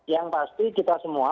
yang pasti kita semua